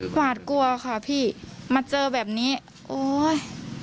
หวาดกลัวค่ะพี่มาเจอแบบนี้โอ๊ย